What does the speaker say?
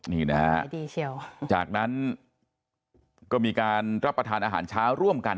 นี่นะฮะจากนั้นก็มีการรับประทานอาหารเช้าร่วมกัน